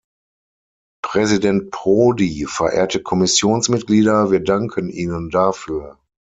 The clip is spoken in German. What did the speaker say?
Präsident Prodi, verehrte Kommissionsmitglieder, wir danken Ihnen dafür.